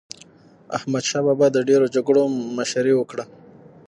احمدشاه بابا د ډېرو جګړو مشري وکړه.